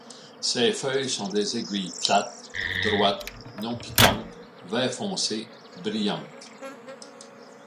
Ses feuilles sont des aiguilles plates, droites, non piquantes, vert foncé, brillantes.